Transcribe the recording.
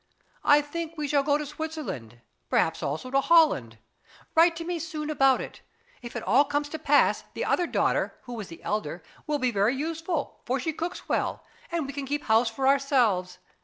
I think we shall go to Switzerland, perhaps also to Holland; write to me soon about it. If it all comes to pass, the other daughter, who is the elder, will be very useful, for she cooks well, and we can keep house for ourselves.